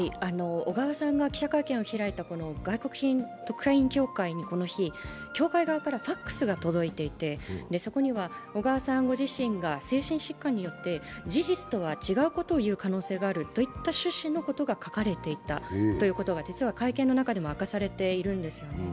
小川さんが記者会見を開いた外国人特派員協会からこの日、教会側からファックスが届いていてそこには、小川さんご自身が精神疾患によって事実とは違うことを言う可能性があるといった趣旨のことが書かれていたと実は会見の中でも明かされているんですよね。